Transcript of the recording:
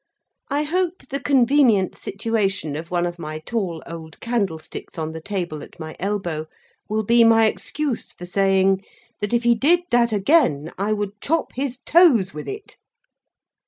I hope the convenient situation of one of my tall old candlesticks on the table at my elbow will be my excuse for saying, that if he did that again, I would chop his toes with it.